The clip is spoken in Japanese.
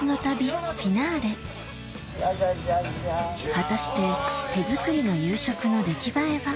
果たして手作りの夕食の出来栄えは？